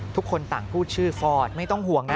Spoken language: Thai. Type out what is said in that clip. ทุกคนต่างพูดชื่อฟอร์ดไม่ต้องห่วงนะ